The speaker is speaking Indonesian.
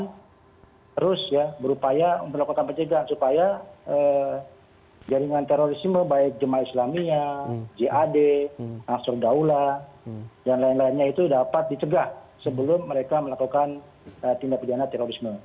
kita terus ya berupaya untuk melakukan pencegahan supaya jaringan terorisme baik jemaah islamiyah jad asur daulah dan lain lainnya itu dapat dicegah sebelum mereka melakukan tindak pidana terorisme